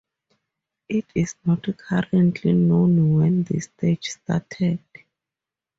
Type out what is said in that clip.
It is not currently known when this stage started.